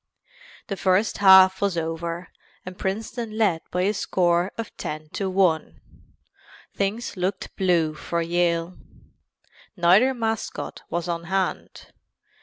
The first half was over and Princeton led by a score of 10 to 0. Things looked blue for Yale. Neither mascot was on hand.